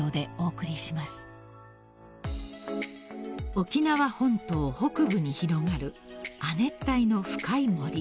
［沖縄本島北部に広がる亜熱帯の深い森］